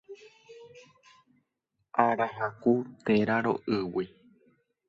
Arahaku térã roʼýgui.